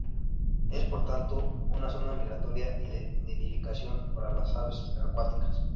Es por tanto, una zona migratoria y de nidificación para las aves acuáticas.